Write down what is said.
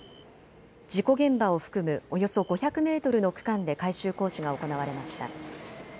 事故現場を含むおよそ５００メートルの区間で改修工事が行われました。